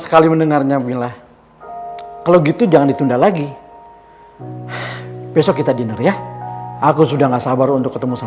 ada orang aneh banget ngikutin kita soalnya